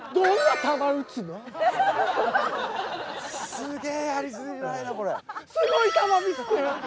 すげえやりづらいなこれ。